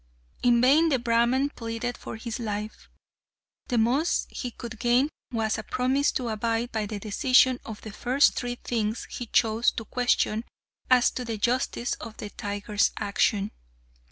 In vain the Brahman pleaded for his life; the most he could gain was a promise to abide by the decision of the first three things he chose to question as to the justice of the tiger's action.